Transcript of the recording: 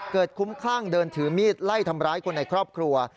คุ้มคลั่งเดินถือมีดไล่ทำร้ายคนในครอบครัว